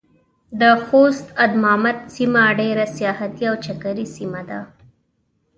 د خوست ادمامد سيمه ډېره سياحتي او چکري سيمه ده.